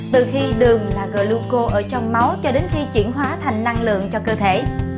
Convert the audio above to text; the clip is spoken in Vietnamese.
từ khi đường là gluco ở trong máu cho đến khi chuyển hóa thành năng lượng cho cơ thể